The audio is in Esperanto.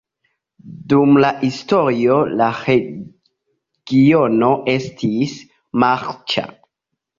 Dum la historio la regiono estis marĉa.